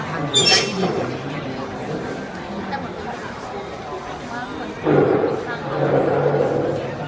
แต่เหมือนความผิดสูงมากเหมือนความผิดสังหรอก